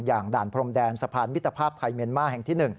อย่างด่านพรมแดนสะพานวิทธภาพไทยเมรม่าแห่งที่๑